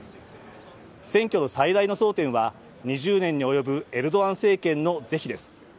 選挙の最大の争点は２０年に及ぶエルドアン政権の是非です。